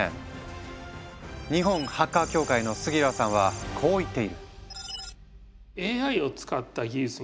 日本ハッカー協会の杉浦さんはこう言っている。